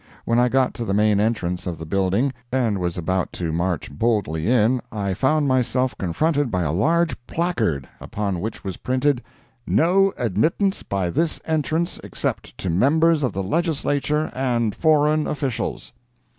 When I got to the main entrance of the building, and was about to march boldly in, I found myself confronted by a large placard, upon which was printed: NO ADMITTANCE BY THIS ENTRANCE EXCEPT TO MEMBERS OF THE LEGISLATURE AND FOREIGN OFFICIALS.